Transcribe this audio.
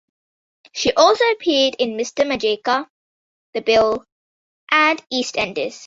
She also appeared in "Mr Majeika", "The Bill" and "EastEnders".